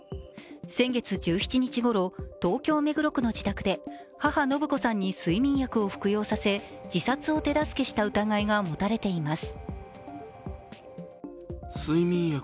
先月１７日ごろ、東京・目黒区の自宅で、母・延子さんに睡眠薬を服用させ自殺を手助けした疑いが持たれています。